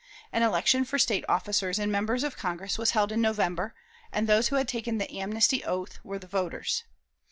An election for State officers and members of Congress was held in November, and those who had taken the amnesty oath were the voters.